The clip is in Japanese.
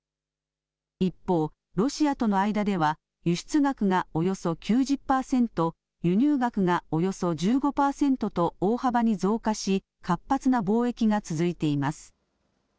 一方、ロシアとの間では、輸出額がおよそ９０％、輸入額がおよそ１５％と、大幅に増加し、活発な貿易が続いています。